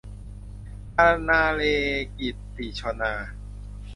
ฮานาเล - กีรติ ชนา